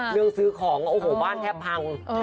เรื่องซื้อของโอ้โหวเผาทับพัง